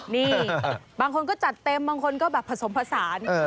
นี่บางคนก็จัดเต็มบางคนก็แบบผสมผสาน